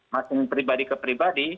masing pribadi ke pribadi